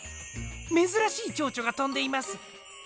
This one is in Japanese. めずらしいちょうちょがとんでいます。